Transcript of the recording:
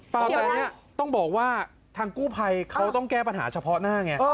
ตอนนี้ต้องบอกว่าทางกู้ภัยเขาต้องแก้ปัญหาเฉพาะหน้าไง